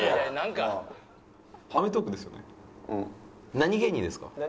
何芸人ですか？